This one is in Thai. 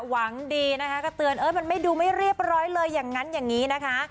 หวังดีนะคะก็เตือนเออมันไม่ดูไม่เรียบร้อยเลยอย่างนั้นอย่างนี้นะคะ